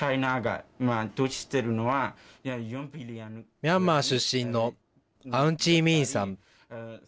ミャンマー出身のアウンチーミィンさん。